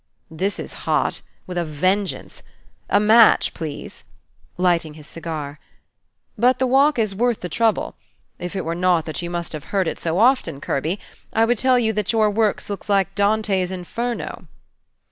"This is hot, with a vengeance. A match, please?" lighting his cigar. "But the walk is worth the trouble. If it were not that you must have heard it so often, Kirby, I would tell you that your works look like Dante's Inferno."